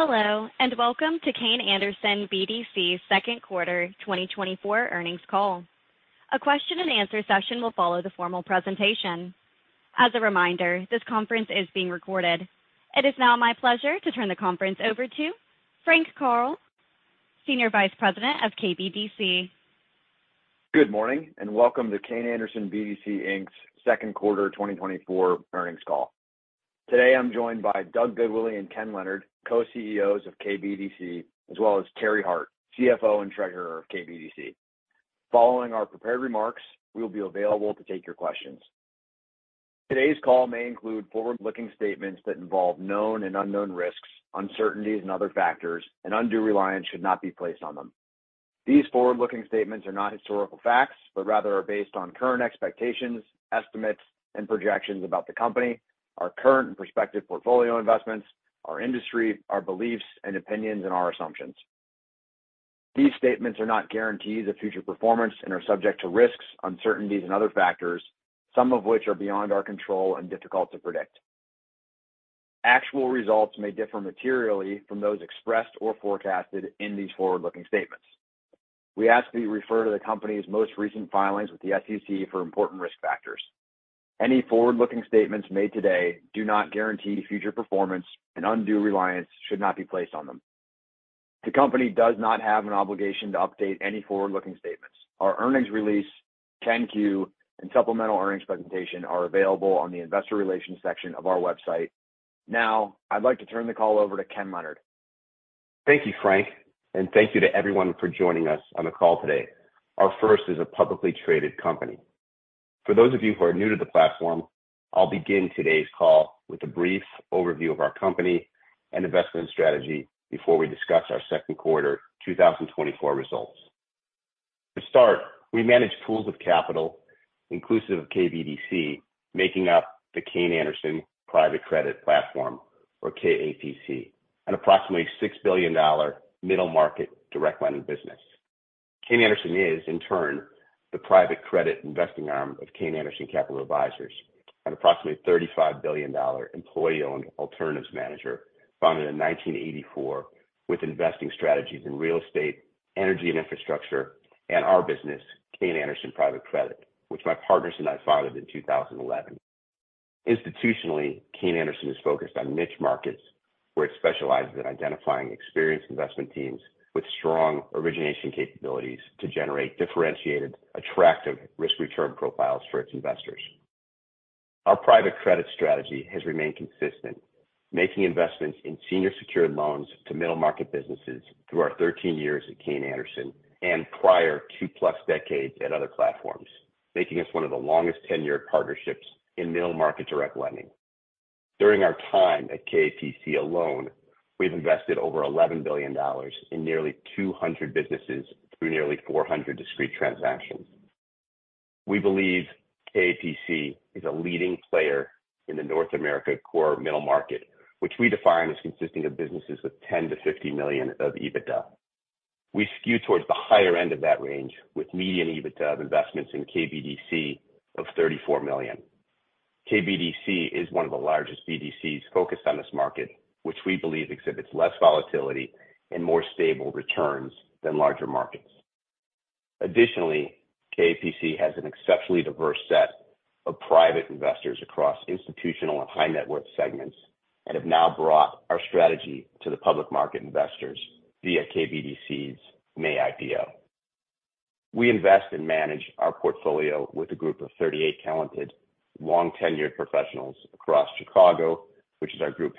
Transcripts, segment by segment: Hello, and welcome to Kayne Anderson BDC's second quarter 2024 earnings call. A question and answer session will follow the formal presentation. As a reminder, this conference is being recorded. It is now my pleasure to turn the conference over to Frank Karl, Senior Vice President of KBDC. Good morning, and welcome to Kayne Anderson BDC, Inc.'s second quarter 2024 earnings call. Today, I'm joined by Doug Goodwillie and Ken Leonard, co-CEOs of KBDC, as well as Terry Hart, CFO, and Treasurer of KBDC. Following our prepared remarks, we will be available to take your questions. Today's call may include forward-looking statements that involve known and unknown risks, uncertainties, and other factors, and undue reliance should not be placed on them. These forward-looking statements are not historical facts, but rather are based on current expectations, estimates, and projections about the company, our current and prospective portfolio investments, our industry, our beliefs and opinions, and our assumptions. These statements are not guarantees of future performance and are subject to risks, uncertainties, and other factors, some of which are beyond our control and difficult to predict. Actual results may differ materially from those expressed or forecasted in these forward-looking statements. We ask that you refer to the company's most recent filings with the SEC for important risk factors. Any forward-looking statements made today do not guarantee future performance, and undue reliance should not be placed on them. The company does not have an obligation to update any forward-looking statements. Our earnings release, 10-Q, and supplemental earnings presentation are available on the investor relations section of our website. Now, I'd like to turn the call over to Ken Leonard. Thank you, Frank, thank you to everyone for joining us on the call today, our first as a publicly traded company. For those of you who are new to the platform, I'll begin today's call with a brief overview of our company and investment strategy before we discuss our second quarter 2024 results. To start, we manage pools of capital, inclusive of KBDC, making up the Kayne Anderson Private Credit Platform, or KAPC, an approximately $6 billion middle-market direct lending business. Kayne Anderson is, in turn, the private credit investing arm of Kayne Anderson Capital Advisors, an approximately $35 billion employee-owned alternatives manager founded in 1984 with investing strategies in real estate, energy and infrastructure, and our business, Kayne Anderson Private Credit, which my partners and I founded in 2011. Institutionally, Kayne Anderson is focused on niche markets, where it specializes in identifying experienced investment teams with strong origination capabilities to generate differentiated, attractive risk-return profiles for its investors. Our private credit strategy has remained consistent, making investments in senior secured loans to middle-market businesses through our 13 years at Kayne Anderson and prior two-plus decades at other platforms, making us one of the longest tenured partnerships in middle-market direct lending. During our time at KAPC alone, we've invested over $11 billion in nearly 200 businesses through nearly 400 discrete transactions. We believe KAPC is a leading player in the North America core middle market, which we define as consisting of businesses with $10 million-$50 million of EBITDA. We skew towards the higher end of that range, with median EBITDA of investments in KBDC of $34 million. KBDC is one of the largest BDCs focused on this market, which we believe exhibits less volatility and more stable returns than larger markets. KAPC has an exceptionally diverse set of private investors across institutional and high-net-worth segments and have now brought our strategy to the public market investors via KBDC's May IPO. We invest and manage our portfolio with a group of 38 talented, long-tenured professionals across Chicago, which is our group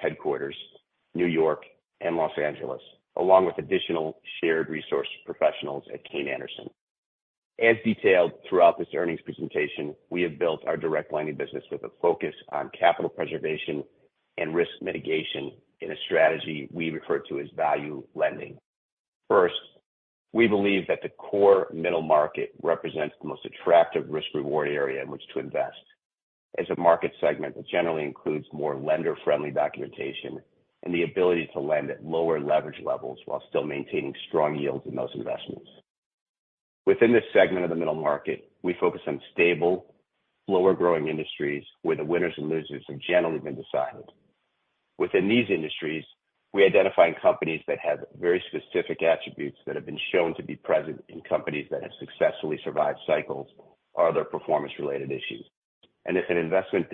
headquarters, New York, and Los Angeles, along with additional shared resource professionals at Kayne Anderson. As detailed throughout this earnings presentation, we have built our direct lending business with a focus on capital preservation and risk mitigation in a strategy we refer to as value lending. We believe that the core middle market represents the most attractive risk-reward area in which to invest as a market segment that generally includes more lender-friendly documentation and the ability to lend at lower leverage levels while still maintaining strong yields in those investments. Within this segment of the middle market, we focus on stable, slower-growing industries where the winners and losers have generally been decided. Within these industries, we identify companies that have very specific attributes that have been shown to be present in companies that have successfully survived cycles or other performance-related issues. If an investment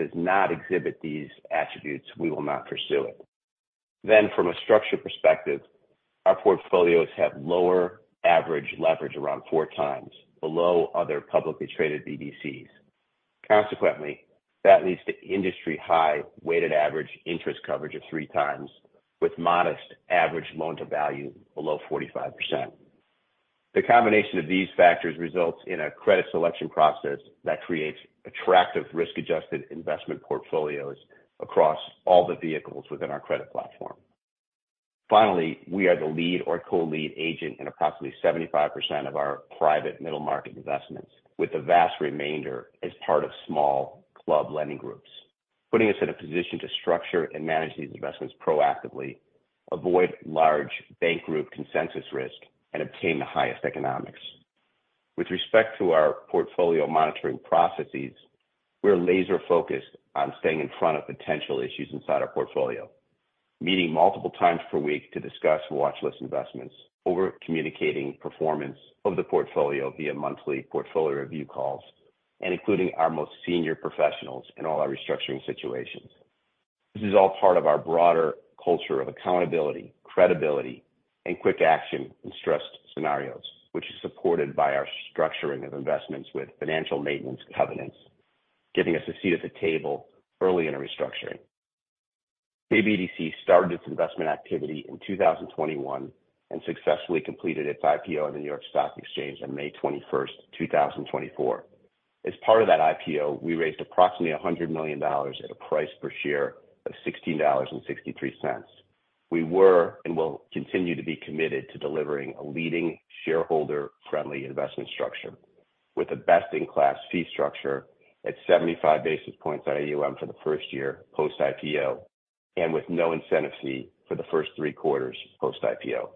does not exhibit these attributes, we will not pursue it. From a structure perspective, our portfolios have lower average leverage around four times below other publicly traded BDCs. Consequently, that leads to industry high weighted average interest coverage of three times with modest average loan to value below 45%. The combination of these factors results in a credit selection process that creates attractive risk-adjusted investment portfolios across all the vehicles within our credit platform. We are the lead or co-lead agent in approximately 75% of our private middle market investments, with the vast remainder as part of small club lending groups, putting us in a position to structure and manage these investments proactively, avoid large bank group consensus risk, and obtain the highest economics. With respect to our portfolio monitoring processes, we're laser-focused on staying in front of potential issues inside our portfolio, meeting multiple times per week to discuss watchlist investments, over-communicating performance of the portfolio via monthly portfolio review calls, and including our most senior professionals in all our restructuring situations. This is all part of our broader culture of accountability, credibility, and quick action in stressed scenarios, which is supported by our structuring of investments with financial maintenance covenants, giving us a seat at the table early in a restructuring. KBDC started its investment activity in 2021 and successfully completed its IPO on the New York Stock Exchange on May 21st, 2024. Part of that IPO, we raised approximately $100 million at a price per share of $16.63. We were, and will continue to be committed to delivering a leading shareholder-friendly investment structure with a best-in-class fee structure at 75 basis points on AUM for the first year post-IPO, and with no incentive fee for the first three quarters post-IPO.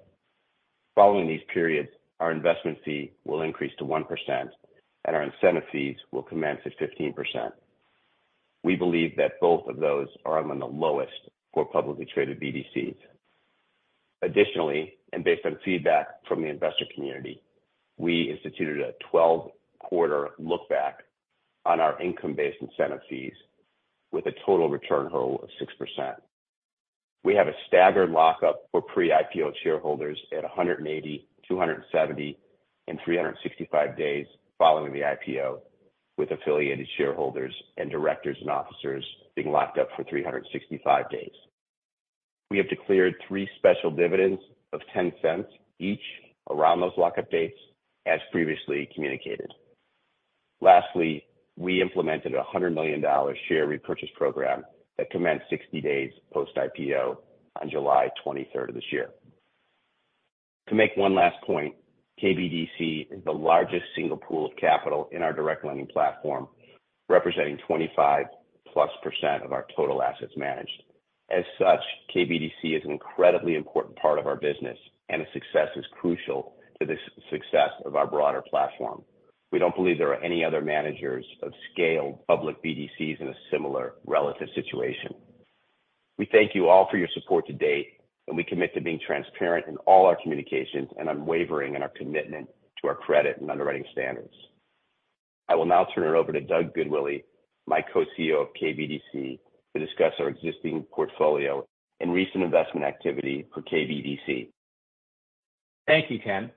Following these periods, our investment fee will increase to 1%. Our incentive fees will commence at 15%. We believe that both of those are among the lowest for publicly traded BDCs. Additionally, and based on feedback from the investor community, we instituted a 12-quarter look-back on our income-based incentive fees with a total return hold of 6%. We have a staggered lockup for pre-IPO shareholders at 180, 270, and 365 days following the IPO, with affiliated shareholders and directors and officers being locked up for 365 days. We have declared three special dividends of $0.10 each around those lockup dates as previously communicated. Lastly, we implemented a $100 million share repurchase program that commenced 60 days post-IPO on July 23rd of this year. To make one last point, KBDC is the largest single pool of capital in our direct lending platform, representing 25+% of our total assets managed. As such, KBDC is an incredibly important part of our business, and its success is crucial to the success of our broader platform. We don't believe there are any other managers of scaled public BDCs in a similar relative situation. We thank you all for your support to date, and we commit to being transparent in all our communications and unwavering in our commitment to our credit and underwriting standards. I will now turn it over to Doug Goodwillie, my co-CEO of KBDC, to discuss our existing portfolio and recent investment activity for KBDC. Thank you, Ken.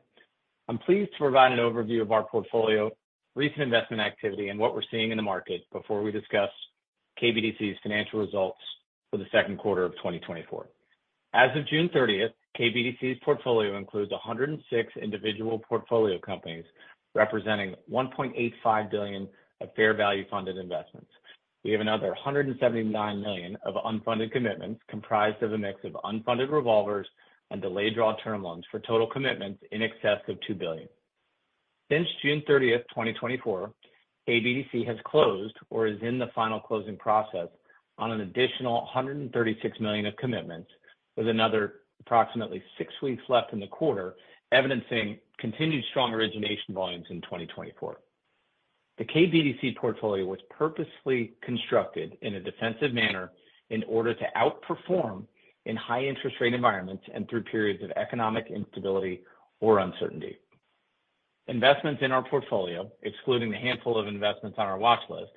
I'm pleased to provide an overview of our portfolio, recent investment activity, and what we're seeing in the market before we discuss KBDC's financial results for the second quarter of 2024. As of June 30th, KBDC's portfolio includes 106 individual portfolio companies representing $1.85 billion of fair value funded investments. We have another $179 million of unfunded commitments comprised of a mix of unfunded revolvers and delayed draw term loans for total commitments in excess of $2 billion. Since June 30th, 2024, KBDC has closed or is in the final closing process on an additional $136 million of commitments, with another approximately six weeks left in the quarter, evidencing continued strong origination volumes in 2024. The KBDC portfolio was purposefully constructed in a defensive manner in order to outperform in high interest rate environments and through periods of economic instability or uncertainty. Investments in our portfolio, excluding the handful of investments on our watchlist,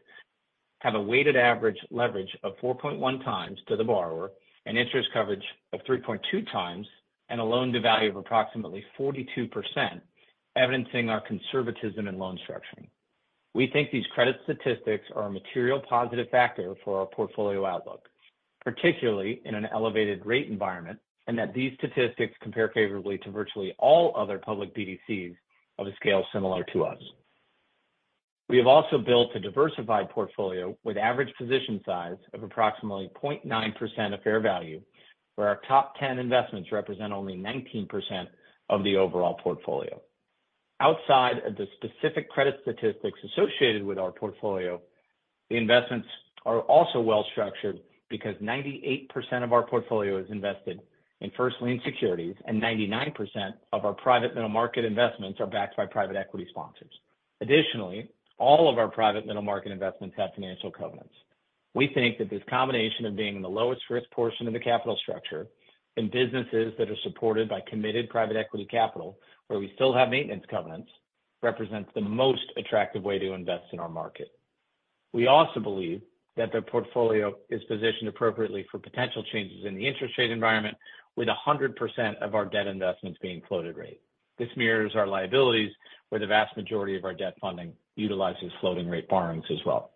have a weighted average leverage of 4.1x to the borrower, an interest coverage of 3.2x and a loan-to-value of approximately 42%, evidencing our conservatism in loan structuring. We think these credit statistics are a material positive factor for our portfolio outlook, particularly in an elevated rate environment, and that these statistics compare favorably to virtually all other public BDCs of a scale similar to us. We have also built a diversified portfolio with average position size of approximately 0.9% of fair value, where our top 10 investments represent only 19% of the overall portfolio. Outside of the specific credit statistics associated with our portfolio, the investments are also well-structured because 98% of our portfolio is invested in first lien securities, and 99% of our private middle market investments are backed by private equity sponsors. Additionally, all of our private middle market investments have financial covenants. We think that this combination of being in the lowest risk portion of the capital structure in businesses that are supported by committed private equity capital, where we still have maintenance covenants, represents the most attractive way to invest in our market. We also believe that the portfolio is positioned appropriately for potential changes in the interest rate environment with 100% of our debt investments being floating rate. This mirrors our liabilities, where the vast majority of our debt funding utilizes floating rate borrowings as well.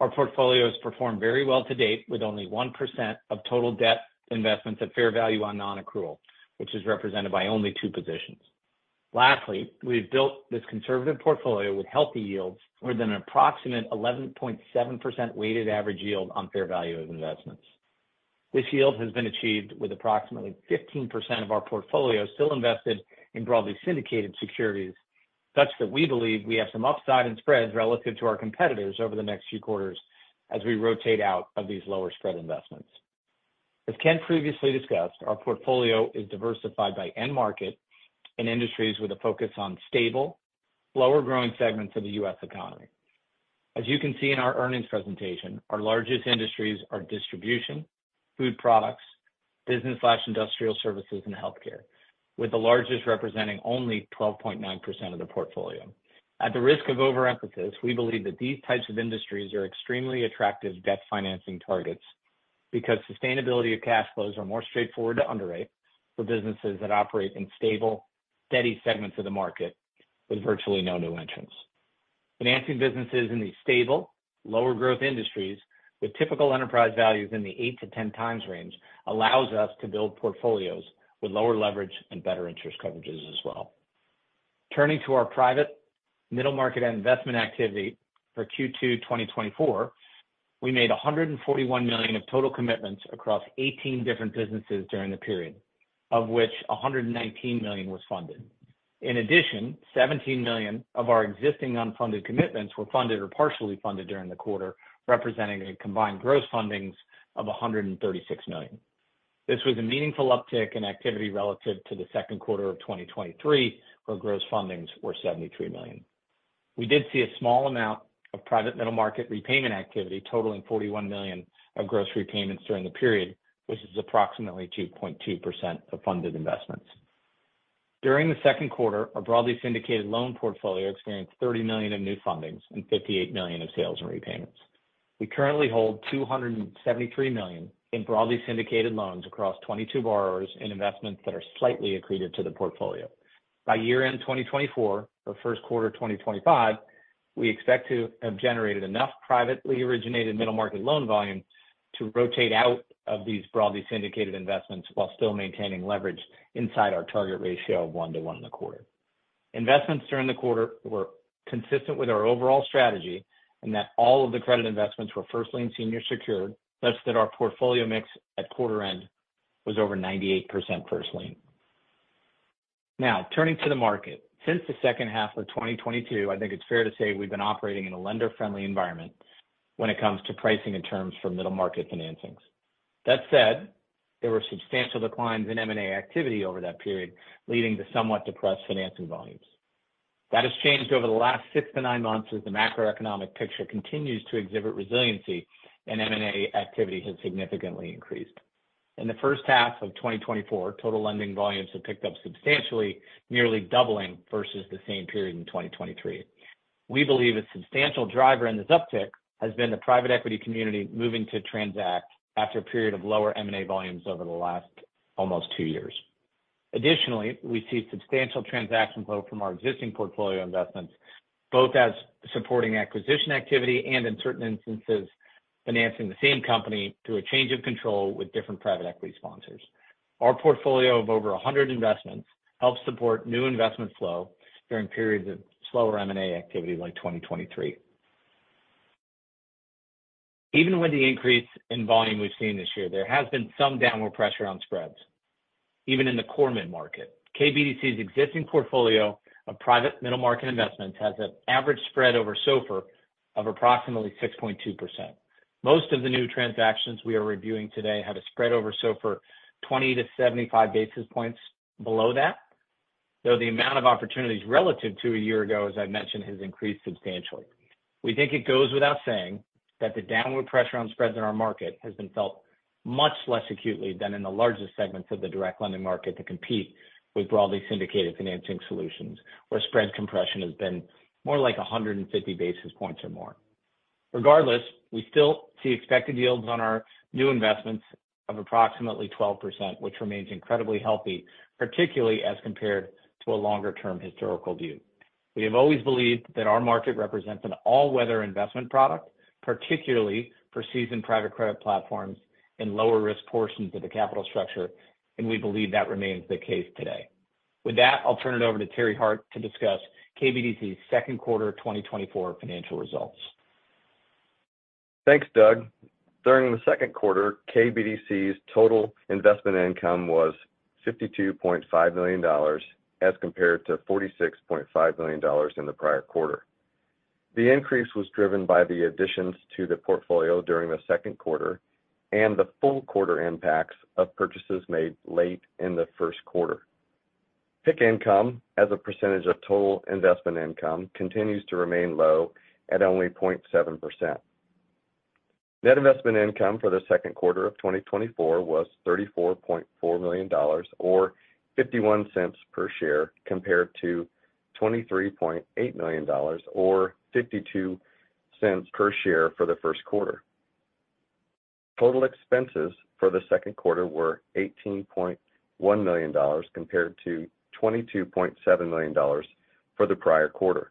Our portfolio has performed very well to date, with only 1% of total debt investments at fair value on non-accrual, which is represented by only two positions. Lastly, we've built this conservative portfolio with healthy yields more than an approximate 11.7% weighted average yield on fair value of investments. This yield has been achieved with approximately 15% of our portfolio still invested in broadly syndicated securities, such that we believe we have some upside in spreads relative to our competitors over the next few quarters as we rotate out of these lower spread investments. As Ken previously discussed, our portfolio is diversified by end market and industries with a focus on stable, lower growing segments of the U.S. economy. As you can see in our earnings presentation, our largest industries are distribution, food products, business/industrial services, and healthcare, with the largest representing only 12.9% of the portfolio. At the risk of overemphasis, we believe that these types of industries are extremely attractive debt financing targets because sustainability of cash flows are more straightforward to underwrite for businesses that operate in stable, steady segments of the market with virtually no new entrants. Financing businesses in these stable, lower growth industries with typical enterprise values in the 8x-10x range allows us to build portfolios with lower leverage and better interest coverages as well. Turning to our private middle market investment activity for Q2 2024, we made $141 million of total commitments across 18 different businesses during the period, of which $119 million was funded. Seventeen million of our existing unfunded commitments were funded or partially funded during the quarter, representing a combined gross fundings of $136 million. This was a meaningful uptick in activity relative to the second quarter of 2023, where gross fundings were $73 million. We did see a small amount of private middle market repayment activity totaling $41 million of gross repayments during the period, which is approximately 2.2% of funded investments. During the second quarter, our broadly syndicated loan portfolio experienced $30 million in new fundings and $58 million in sales and repayments. We currently hold $273 million in broadly syndicated loans across 22 borrowers in investments that are slightly accreted to the portfolio. By year-end 2024 or first quarter 2025, we expect to have generated enough privately originated middle market loan volume to rotate out of these broadly syndicated investments while still maintaining leverage inside our target ratio of one to one and a quarter. Investments during the quarter were consistent with our overall strategy in that all of the credit investments were first lien senior secured such that our portfolio mix at quarter end was over 98% first lien. Turning to the market. Since the second half of 2022, I think it's fair to say we've been operating in a lender-friendly environment when it comes to pricing and terms for middle market financings. That said, there were substantial declines in M&A activity over that period, leading to somewhat depressed financing volumes. That has changed over the last six to nine months as the macroeconomic picture continues to exhibit resiliency and M&A activity has significantly increased. In the first half of 2024, total lending volumes have picked up substantially, nearly doubling versus the same period in 2023. We believe a substantial driver in this uptick has been the private equity community moving to transact after a period of lower M&A volumes over the last almost two years. We see substantial transaction flow from our existing portfolio investments, both as supporting acquisition activity and in certain instances, financing the same company through a change of control with different private equity sponsors. Our portfolio of over 100 investments helps support new investment flow during periods of slower M&A activity like 2023. Even with the increase in volume we've seen this year, there has been some downward pressure on spreads, even in the core mid-market. KBDC's existing portfolio of private middle market investments has an average spread over SOFR of approximately 6.2%. Most of the new transactions we are reviewing today have a spread over SOFR 20-75 basis points below that, though the amount of opportunities relative to a year ago, as I've mentioned, has increased substantially. We think it goes without saying that the downward pressure on spreads in our market has been felt much less acutely than in the largest segments of the direct lending market to compete with broadly syndicated financing solutions, where spread compression has been more like 150 basis points or more. Regardless, we still see expected yields on our new investments of approximately 12%, which remains incredibly healthy, particularly as compared to a longer-term historical view. We have always believed that our market represents an all-weather investment product, particularly for seasoned private credit platforms in lower risk portions of the capital structure, and we believe that remains the case today. With that, I'll turn it over to Terry Hart to discuss KBDC's second quarter 2024 financial results. Thanks, Doug. During the second quarter, KBDC's total investment income was $52.5 million as compared to $46.5 million in the prior quarter. The increase was driven by the additions to the portfolio during the second quarter and the full quarter impacts of purchases made late in the first quarter. PIK income as a percentage of total investment income continues to remain low at only 0.7%. Net investment income for the second quarter of 2024 was $34.4 million or $0.51 per share, compared to $23.8 million or $0.52 per share for the first quarter. Total expenses for the second quarter were $18.1 million compared to $22.7 million for the prior quarter.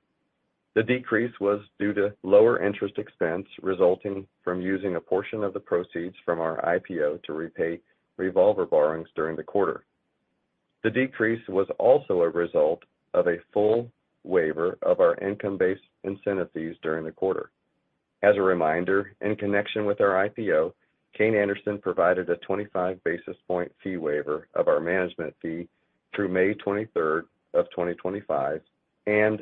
The decrease was due to lower interest expense resulting from using a portion of the proceeds from our IPO to repay revolver borrowings during the quarter. The decrease was also a result of a full waiver of our income-based incentive fees during the quarter. As a reminder, in connection with our IPO, Kayne Anderson provided a 25 basis point fee waiver of our management fee through May 23rd of 2025. A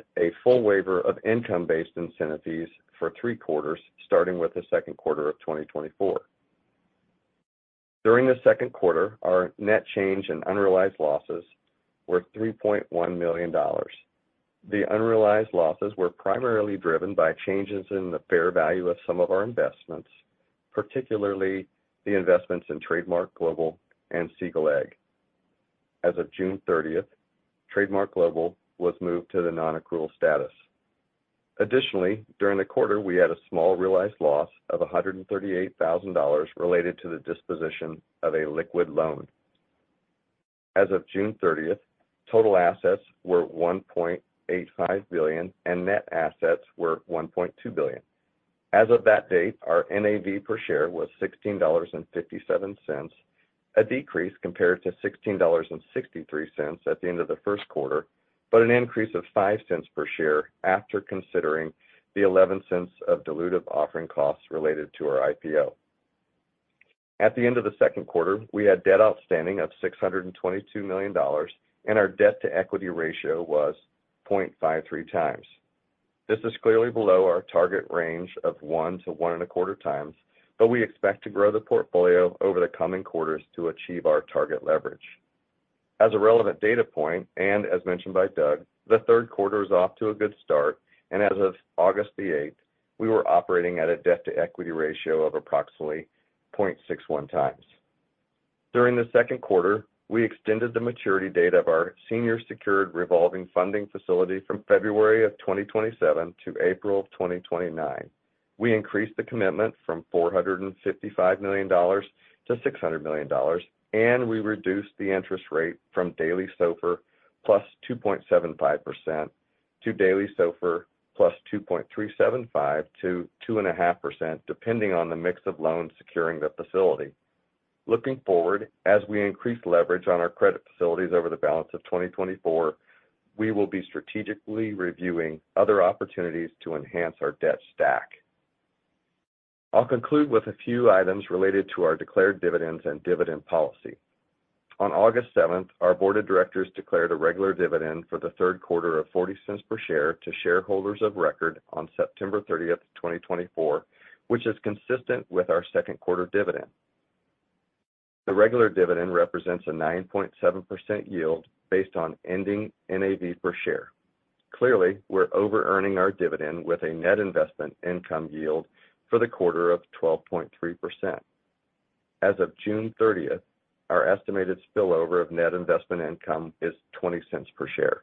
full waiver of income-based incentive fees for three quarters, starting with the second quarter of 2024. During the second quarter, our net change in unrealized losses were $3.1 million. The unrealized losses were primarily driven by changes in the fair value of some of our investments, particularly the investments in Trademark Global and Seagull AG. As of June 30th, Trademark Global was moved to the non-accrual status. Additionally, during the quarter, we had a small realized loss of $138,000 related to the disposition of a liquid loan. As of June 30th, total assets were $1.85 billion, and net assets were $1.2 billion. As of that date, our NAV per share was $16.57, a decrease compared to $16.63 at the end of the first quarter, an increase of $0.05 per share after considering the $0.11 of dilutive offering costs related to our IPO. At the end of the second quarter, we had debt outstanding of $622 million. Our debt-to-equity ratio was 0.53x. This is clearly below our target range of 1x-1.25x, but we expect to grow the portfolio over the coming quarters to achieve our target leverage. As a relevant data point, and as mentioned by Doug, the third quarter is off to a good start, and as of August 8th, we were operating at a debt-to-equity ratio of approximately 0.61x. During the second quarter, we extended the maturity date of our senior secured revolving funding facility from February 2027 to April 2029. We increased the commitment from $455 million to $600 million, and we reduced the interest rate from daily SOFR +2.75% to daily SOFR +2.375% to +2.5%, depending on the mix of loans securing the facility. Looking forward, as we increase leverage on our credit facilities over the balance of 2024, we will be strategically reviewing other opportunities to enhance our debt stack. I'll conclude with a few items related to our declared dividends and dividend policy. On August 7th, our board of directors declared a regular dividend for the third quarter of $0.40 per share to shareholders of record on September 30th, 2024, which is consistent with our second quarter dividend. The regular dividend represents a 9.7% yield based on ending NAV per share. Clearly, we're overearning our dividend with a net investment income yield for the quarter of 12.3%. As of June 30th, our estimated spillover of net investment income is $0.20 per share.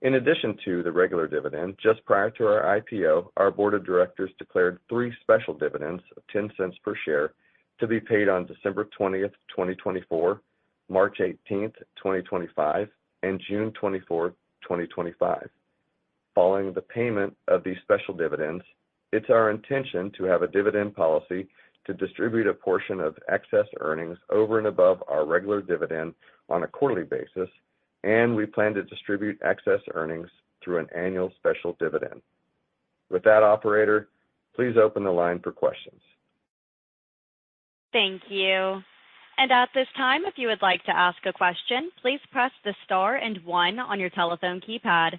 In addition to the regular dividend, just prior to our IPO, our board of directors declared three special dividends of $0.10 per share to be paid on December 20th, 2024, March 18th, 2025, and June 24th, 2025. Following the payment of these special dividends, it's our intention to have a dividend policy to distribute a portion of excess earnings over and above our regular dividend on a quarterly basis, and we plan to distribute excess earnings through an annual special dividend. Operator, please open the line for questions. Thank you. At this time, if you would like to ask a question, please press the star and one on your telephone keypad.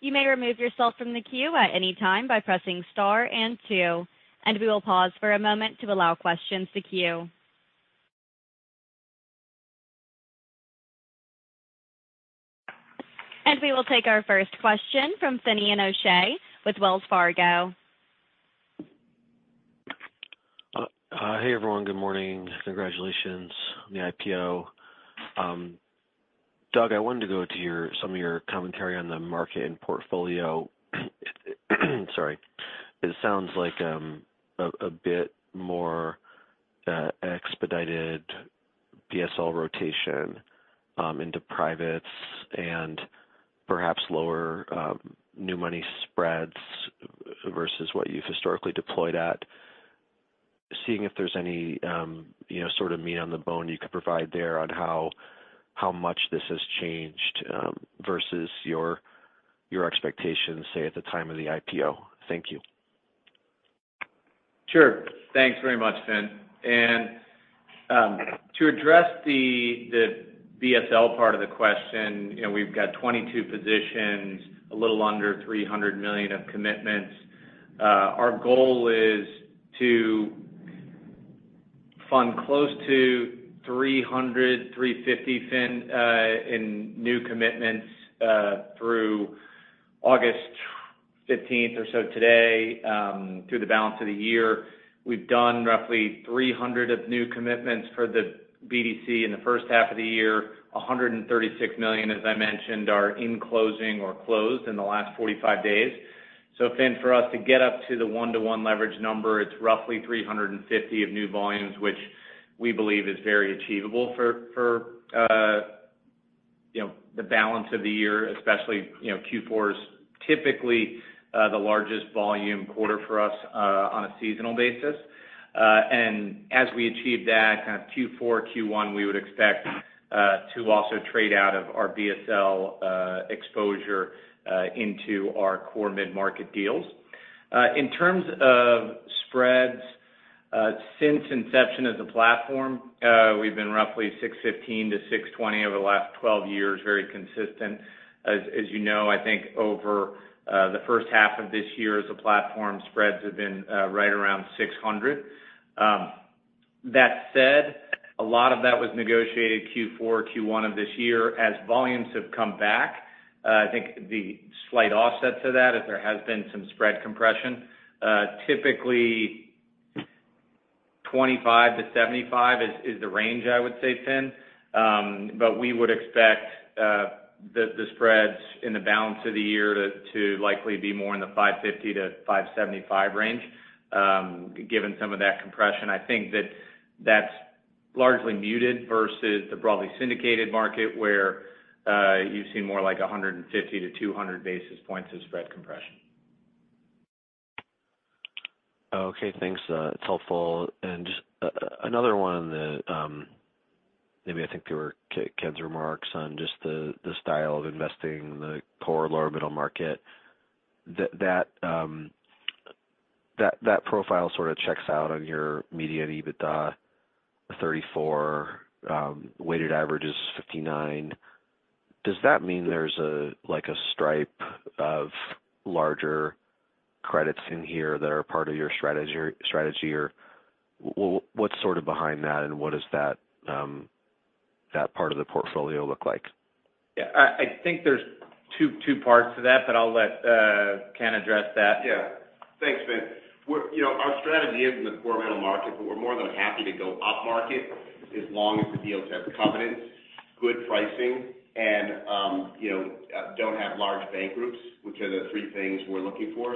You may remove yourself from the queue at any time by pressing star and two, and we will pause for a moment to allow questions to queue. We will take our first question from Finian O'Shea with Wells Fargo. Hi, everyone. Good morning. Congratulations on the IPO. Doug, I wanted to go to some of your commentary on the market and portfolio. Sorry. It sounds like a bit more expedited BSL rotation into privates and perhaps lower new money spreads versus what you've historically deployed at. Seeing if there's any, you know, sort of meat on the bone you could provide there on how much this has changed versus your expectations, say, at the time of the IPO. Thank you. Sure. Thanks very much, Finn. To address the BSL part of the question, you know, we've got 22 positions, a little under $300 million of commitments. Our goal is to fund close to $300 million, $350 million, Finn, in new commitments through August 15th or so today, through the balance of the year. We've done roughly $300 million of new commitments for the BDC in the first half of the year. A $136 million, as I mentioned, are in closing or closed in the last 45 days. Finn, for us to get up to the one-to-one leverage number, it's roughly $350 million of new volumes, which we believe is very achievable, you know, the balance of the year, especially, you know, Q4 is typically the largest volume quarter for us on a seasonal basis. As we achieve that kind of Q4, Q1, we would expect to also trade out of our BSL exposure into our core mid-market deals. In terms of spreads, since inception as a platform, we've been roughly $615 million-$620 million over the last 12 years, very consistent. As you know, I think over the first half of this year as a platform, spreads have been right around $600 million. That said, a lot of that was negotiated Q4, Q1 of this year. As volumes have come back, I think the slight offset to that is there has been some spread compression. Typically, $25 million-$75 million is the range I would say, Finn. We would expect the spreads in the balance of the year to likely be more in the $550 million-$575 million range given some of that compression. I think that that's largely muted versus the broadly syndicated market, where, you've seen more like 150-200 basis points of spread compression. Okay, thanks. It's helpful. Just another one that, maybe I think to Ken's remarks on just the style of investing in the core lower middle market. That, that profile sort of checks out on your median EBITDA, 34, weighted average is 59. Does that mean there's a like a stripe of larger credits in here that are part of your strategy or what's sort of behind that and what does that part of the portfolio look like? Yeah. I think there's two parts to that, but I'll let Ken address that. Yeah. Thanks, Finn. You know, our strategy is in the core middle market, but we're more than happy to go upmarket as long as the deals have covenants, good pricing, and, you know, don't have large bank groups, which are the three things we're looking for.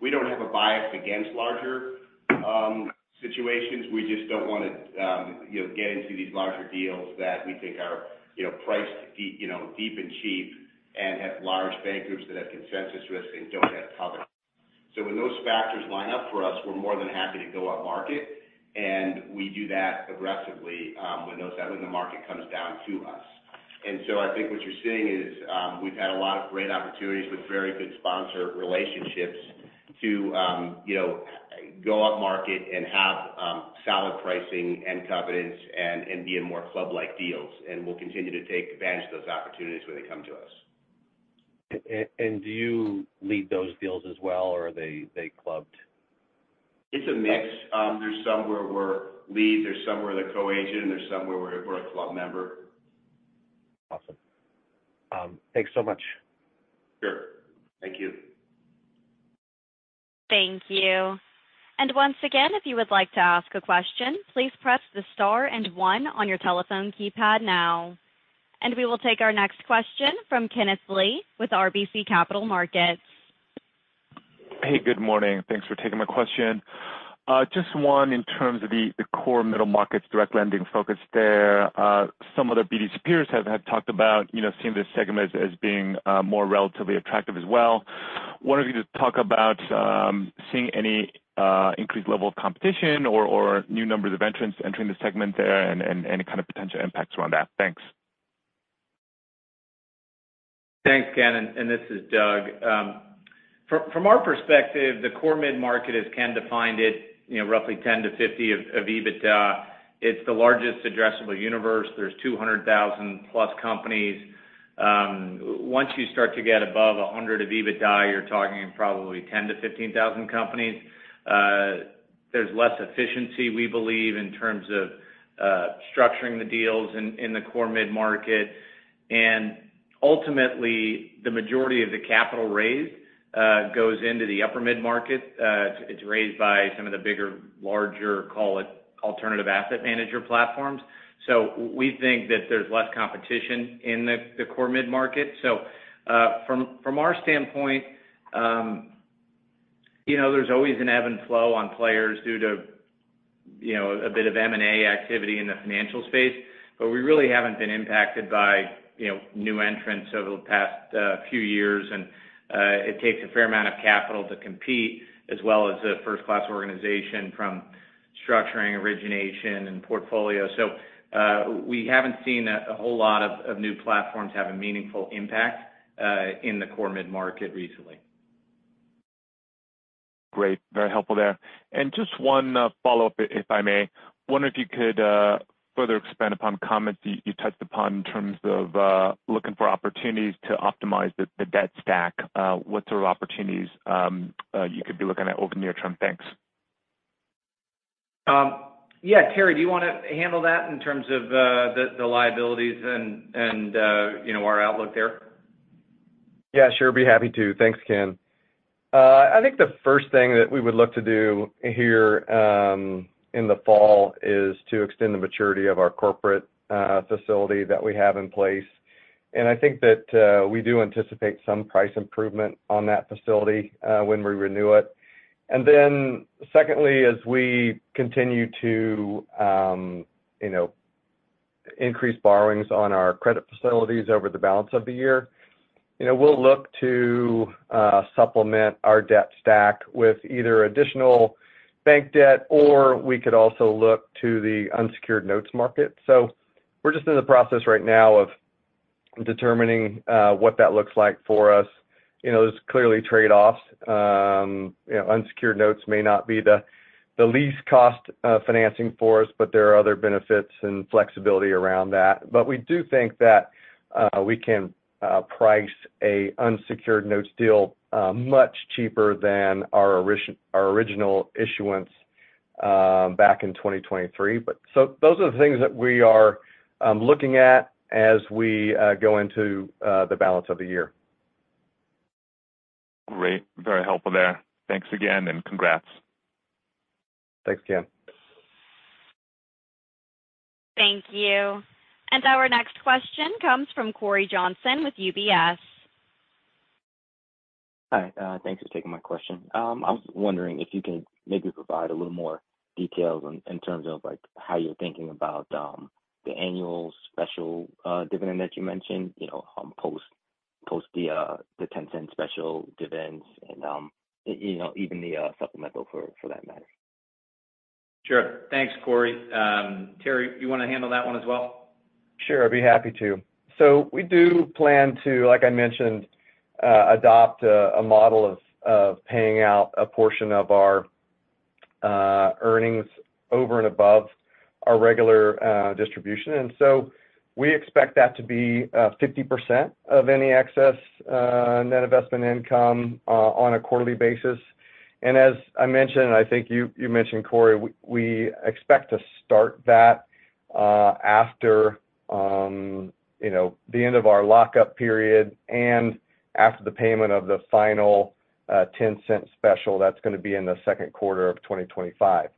We don't have a bias against larger situations. We just don't wanna, you know, get into these larger deals that we think are, you know, priced deep, you know, deep and cheap and have large bank groups that have consensus risk and don't have covenants. When those factors line up for us, we're more than happy to go upmarket, and we do that aggressively, when the market comes down to us. I think what you're seeing is, we've had a lot of great opportunities with very good sponsor relationships to, you know, go upmarket and have solid pricing and covenants and be in more club-like deals. We'll continue to take advantage of those opportunities when they come to us. Do you lead those deals as well, or are they clubbed? It's a mix. There's some where we're lead, there's some where they're co-agent, there's some where we're a club member. Awesome. Thanks so much. Sure. Thank you. Thank you. Once again, if you would like to ask a question, please press the star and one on your telephone keypad now. We will take our next question from Kenneth Lee with RBC Capital Markets. Hey, good morning. Thanks for taking my question. Just one in terms of the core middle markets direct lending focus there. Some of the BDC peers have talked about, you know, seeing this segment as being more relatively attractive as well. Wanted you to talk about seeing any increased level of competition or new numbers of entrants entering the segment there and any kind of potential impacts around that. Thanks. Thanks, Ken. This is Doug. From our perspective, the core mid-market, as Ken defined it, you know, roughly 10-50 of EBITDA, it's the largest addressable universe. There's 200,000+ companies. Once you start to get above 100 of EBITDA, you're talking probably 10,000-15,000 companies. There's less efficiency, we believe, in terms of structuring the deals in the core mid-market. Ultimately, the majority of the capital raised goes into the upper mid-market. It's raised by some of the larger, call it alternative asset manager platforms. We think that there's less competition in the core mid-market. From our standpoint, you know, there's always an ebb and flow on players due to, you know, a bit of M&A activity in the financial space. We really haven't been impacted by, you know, new entrants over the past few years. It takes a fair amount of capital to compete, as well as a first-class organization from structuring, origination, and portfolio. We haven't seen a whole lot of new platforms have a meaningful impact in the core mid-market recently. Great. Very helpful there. Just one follow-up, if I may. Wonder if you could further expand upon comments you touched upon in terms of looking for opportunities to optimize the debt stack. What sort of opportunities you could be looking at over near term? Thanks. Yeah. Terry, do you wanna handle that in terms of the liabilities and, you know, our outlook there? Yeah, sure. Be happy to. Thanks, Ken. I think the first thing that we would look to do here, in the fall is to extend the maturity of our corporate facility that we have in place. I think that we do anticipate some price improvement on that facility when we renew it. Secondly, as we continue to, you know, increase borrowings on our credit facilities over the balance of the year, you know, we'll look to supplement our debt stack with either additional bank debt, or we could also look to the unsecured notes market. We're just in the process right now of determining what that looks like for us. You know, there's clearly trade-offs. You know, unsecured notes may not be the least cost financing for us, but there are other benefits and flexibility around that. We do think that we can price a unsecured notes deal much cheaper than our original issuance back in 2023. Those are the things that we are looking at as we go into the balance of the year. Great. Very helpful there. Thanks again and congrats. Thanks, Ken. Thank you. Our next question comes from Cory Johnson with UBS. Hi, thanks for taking my question. I was wondering if you can maybe provide a little more details in terms of, like, how you're thinking about the annual special dividend that you mentioned, you know, post the $0.10 special dividends and, you know, even the supplemental for that matter? Sure. Thanks, Cory. Terry, you wanna handle that one as well? We do plan to, like I mentioned, adopt a model of paying out a portion of our earnings over and above our regular distribution. We expect that to be 50% of any excess net investment income on a quarterly basis. As I mentioned, and I think you mentioned, Cory, we expect to start that after, you know, the end of our lockup period and after the payment of the final $0.10 special that's gonna be in the second quarter of 2025.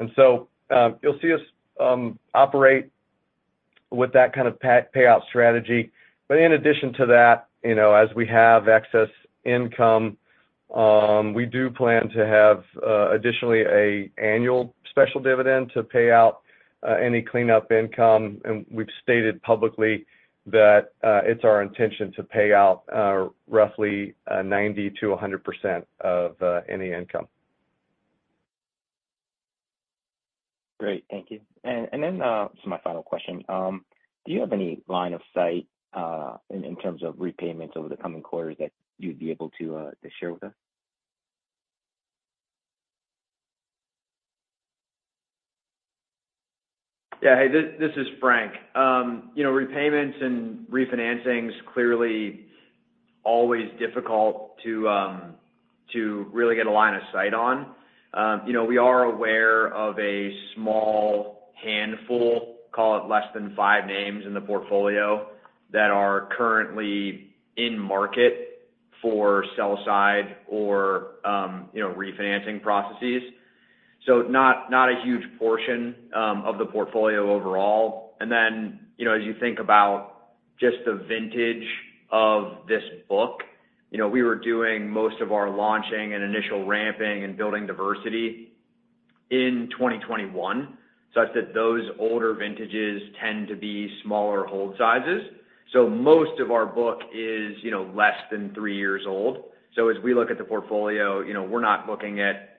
You'll see us operate with that kind of part-payout strategy. In addition to that, you know, as we have excess income, we do plan to have additionally a annual special dividend to pay out any cleanup income. We've stated publicly that it's our intention to pay out roughly 90% to 100% of any income. Great. Thank you. This is my final question: Do you have any line of sight, in terms of repayments over the coming quarters that you'd be able to share with us? Yeah. Hey, this is Frank. You know, repayments and refinancings clearly always difficult to really get a line of sight on. You know, we are aware of a small handful, call it less than five names in the portfolio, that are currently in market for sell side or, you know, refinancing processes. Not a huge portion of the portfolio overall. You know, as you think about just the vintage of this book, you know, we were doing most of our launching and initial ramping and building diversity in 2021, such that those older vintages tend to be smaller hold sizes. Most of our book is, you know, less than three years old. As we look at the portfolio, you know, we're not looking at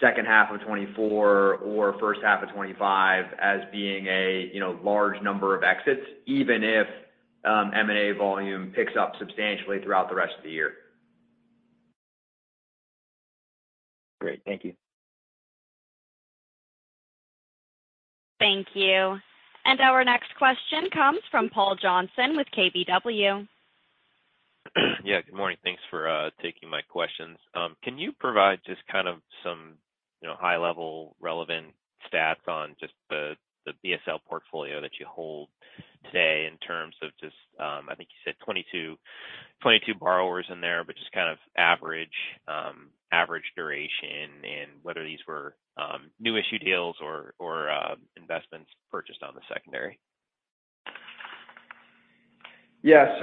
second half of 2024 or first half of 2025 as being a, you know, large number of exits, even if M&A volume picks up substantially throughout the rest of the year. Great. Thank you. Thank you. Our next question comes from Paul Johnson with KBW. Good morning. Thanks for taking my questions. Can you provide just kind of some, you know, high-level relevant stats on just the BSL portfolio that you hold today in terms of just, I think you said 22 borrowers in there, but just kind of average duration and whether these were new issue deals or investments purchased on the secondary? Yeah.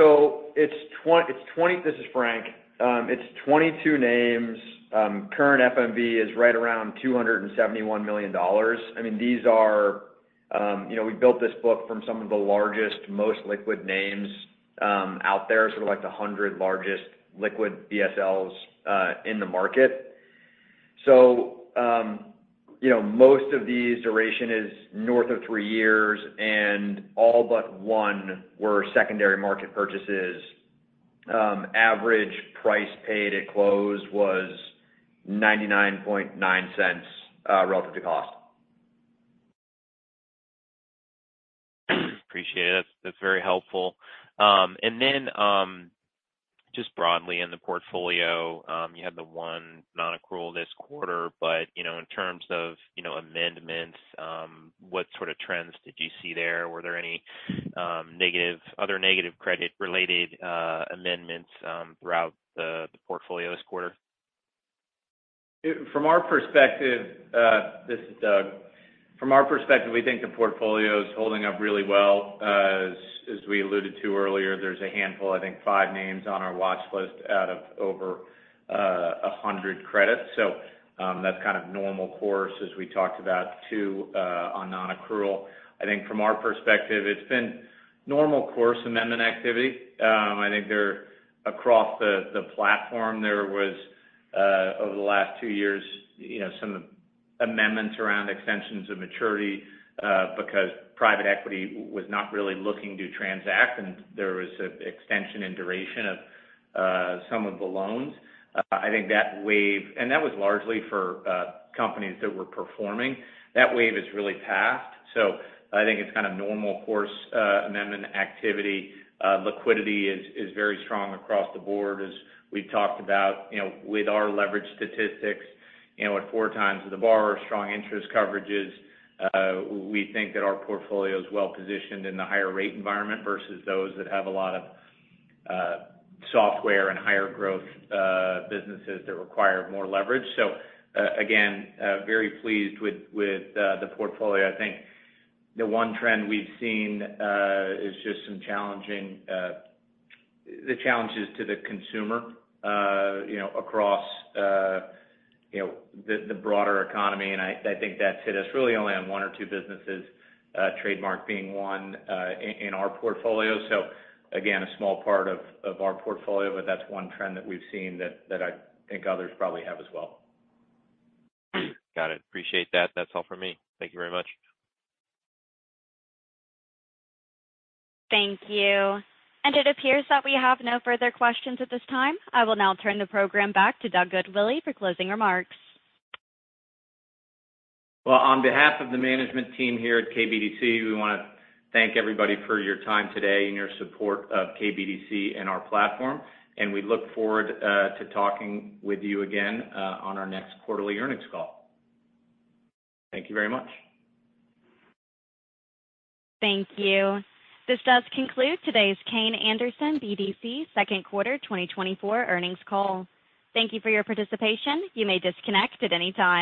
This is Frank. It's 22 names. Current FMV is right around $271 million. I mean, these are, you know, we built this book from some of the largest, most liquid names, out there, sort of like the 100 largest liquid BSLs in the market. You know, most of these duration is north of three years, and all but one were secondary market purchases. Average price paid at close was $99.9 relative to cost. Appreciate it. That's very helpful. Then, just broadly in the portfolio, you had the one non-accrual this quarter, but, you know, in terms of, you know, amendments, what sort of trends did you see there? Were there any negative, other negative credit-related amendments, throughout the portfolio this quarter? From our perspective, this is Doug. From our perspective, we think the portfolio is holding up really well. As we alluded to earlier, there's a handful, I think five names on our watch list out of over 100 credits. That's kind of normal course as we talked about too, on non-accrual. I think from our perspective, it's been normal course amendment activity. I think across the platform, there was over the last two years, you know, some of Amendments around extensions of maturity, because private equity was not really looking to transact, and there was an extension in duration of some of the loans. I think that wave. And that was largely for companies that were performing. That wave has really passed. I think it's kind of normal course amendment activity. Liquidity is very strong across the board. As we've talked about, you know, with our leverage statistics, you know, at four times with the borrower, strong interest coverages, we think that our portfolio is well-positioned in the higher rate environment versus those that have a lot of software and higher growth businesses that require more leverage. Again, very pleased with the portfolio. I think the one trend we've seen, is just some challenging, the challenges to the consumer, you know, across, you know, the broader economy, and I think that's hit us really only on one or two businesses, Trademark being one, in our portfolio. So again, a small part of our portfolio, but that's one trend that we've seen that I think others probably have as well. Got it. Appreciate that. That's all for me. Thank you very much. Thank you. It appears that we have no further questions at this time. I will now turn the program back to Doug Goodwillie for closing remarks. Well, on behalf of the management team here at KBDC, we wanna thank everybody for your time today and your support of KBDC and our platform, and we look forward to talking with you again on our next quarterly earnings call. Thank you very much. Thank you. This does conclude today's Kayne Anderson BDC second quarter 2024 earnings call. Thank you for your participation. You may disconnect at any time.